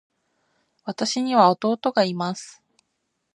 私には弟がいます。